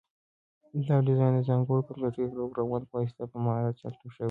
دا ډیزاین د ځانګړو کمپیوټري پروګرامونو په واسطه په مهارت چمتو شوی.